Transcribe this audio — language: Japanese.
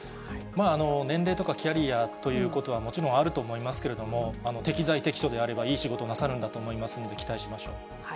年齢とかキャリアということはもちろんあると思いますけれども、適材適所であればいい仕事なさるんだと思いますんで、期待しまし